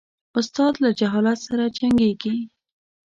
استاد له جهالت سره جنګیږي.